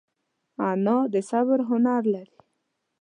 انا د صبر هنر لري